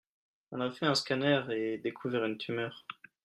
on a fait un scanner et découvert une tumeur.